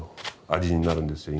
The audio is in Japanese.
味になるんですよ